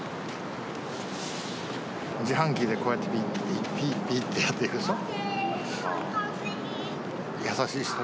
自販機でこうやってぴっぴっぴっってやっていくでしょ。